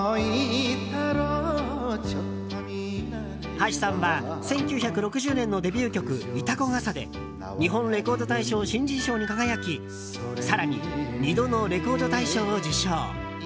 橋さんは、１９６０年のデビュー曲「潮来笠」で日本レコード大賞新人賞に輝き更に、２度のレコード大賞を受賞。